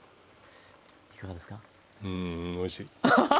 うんおいしい！